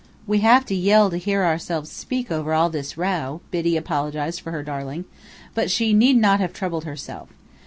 "We have to yell to hear ourselves speak over all this row," Biddy apologized for her darling; but she need not have troubled herself.